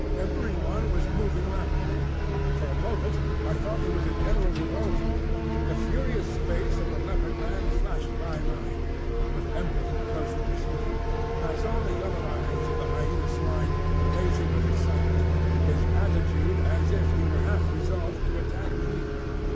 Every one was moving rapidly. For a moment I thought it was a general revolt. The furious face of the Leopard man flashed by mine, with M'ling close in pursuit. I saw the yellow eyes of the Hyena swine blazing with excitement, his attitude as if he were half resolved to attack me.